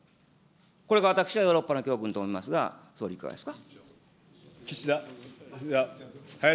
これが私のヨーロッパの教訓と思いますが、総理、いかがですか。